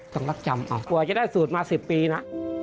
ต้องรับจำกว่าจะได้สูตรมา๑๐ปีนะ